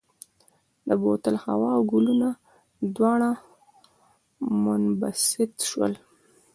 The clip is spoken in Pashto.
د بوتل هوا او ګلوله دواړه منبسط شول.